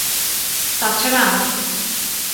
তাছাড়া, আমি।